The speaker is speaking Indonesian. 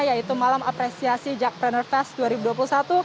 yaitu malam apresiasi jackpreneur fest dua ribu dua puluh satu